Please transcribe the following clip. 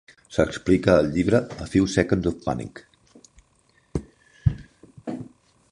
S'explica al llibre "A Few Seconds of Panic".